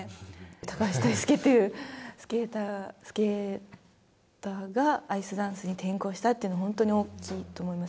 高橋大輔というスケーターが、アイスダンスに転向したというのは、本当に大きいと思います。